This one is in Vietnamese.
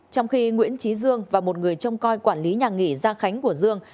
trong khi nguyễn trí dương và một người trong coi quản lý nhà nghỉ giang khánh của dương